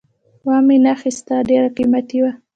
وامې نه خیسته ډېر قیمته وو